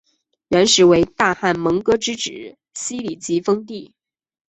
元时为大汗蒙哥之子昔里吉封地。